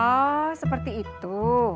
oh seperti itu